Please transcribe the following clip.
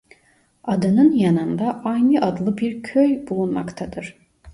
Adanın yanında aynı adlı bir köy bulunmaktadır.